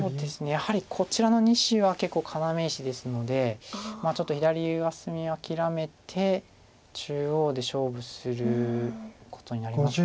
やはりこちらの２子は結構要石ですのでちょっと左上隅諦めて中央で勝負することになります。